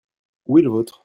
Où est le vôtre.